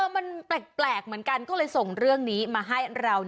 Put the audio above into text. มันแปลกเหมือนกันก็เลยส่งเรื่องนี้มาให้เรา